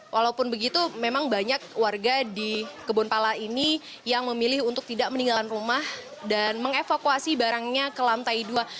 walaupun begitu memang banyak warga di kebonpala ini yang memilih untuk tidak meninggalkan rumah dan mengevakuasi barangnya ke lantai dua